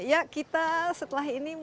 ya kita setelah ini